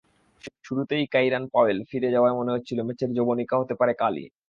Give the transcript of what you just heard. শুরুতেই Kieran Powell ফিরে যাওয়ায় মনে হচ্ছিল ম্যাচের যবনিকা হতে পারে কালই।